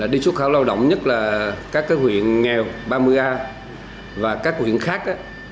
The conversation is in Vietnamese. đi xuất khẩu lao động nhất là các huyện nghèo ba mươi a và các huyện khác